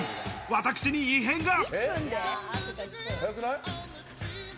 私に異変が。